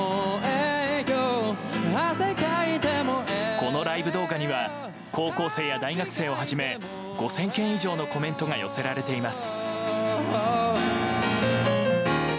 このライブ動画には高校生や大学生をはじめ５０００件以上のコメントが寄せられています。